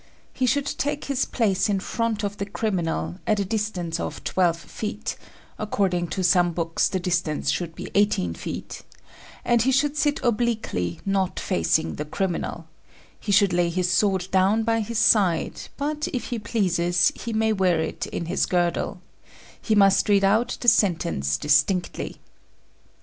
He should take his place in front of the criminal, at a distance of twelve feet; according to some books, the distance should be eighteen feet, and he should sit obliquely, not facing the criminal; he should lay his sword down by his side, but, if he pleases, he may wear it in his girdle; he must read out the sentence distinctly.